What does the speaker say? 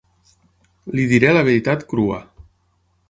Li diré la veritat crua.